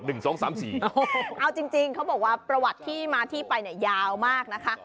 เอาจริงเขาบอกว่าประวัติที่มาที่ไปเนี่ยยาวมากนะคะ